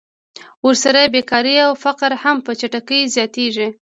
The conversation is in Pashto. ورسره بېکاري او فقر هم په چټکۍ زیاتېږي